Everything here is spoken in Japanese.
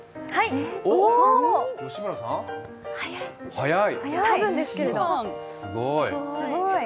早い。